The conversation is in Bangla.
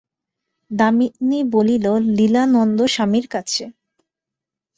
দামিনী বলিল, লীলানন্দস্বামীর কাছে।